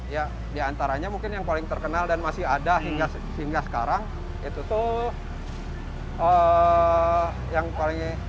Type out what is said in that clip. ya diantaranya mungkin yang paling terkenal dan masih ada sehingga sekarang itu tuh yang paling